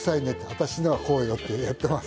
「私のはこうよ」ってやっています。